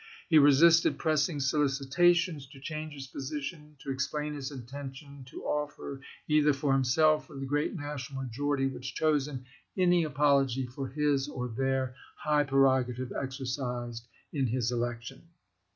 He resisted pressing solicitations to change his position, to explain his intention, to offer, either for himself or the great national majority which chose him, any apology for his or their high pre rogative exercised in his election.